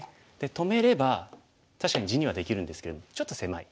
止めれば確かに地にはできるんですけれどもちょっと狭い。